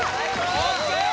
ＯＫ